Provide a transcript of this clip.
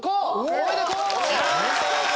おめでとう！